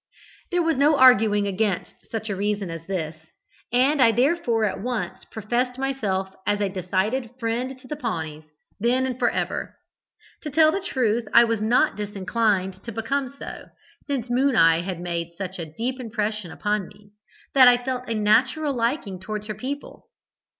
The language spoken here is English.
"There was no arguing against such a reason as this, and I therefore at once professed myself as a decided friend to the Pawnees, then and for ever. To tell the truth, I was not disinclined to become so, since Moon eye had made such a deep impression upon me, that I felt a natural liking towards her people.